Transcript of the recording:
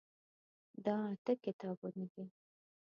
دا اته کتابونه دي.